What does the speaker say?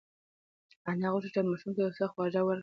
انا غوښتل چې ماشوم ته یو څه خواږه ورکړي.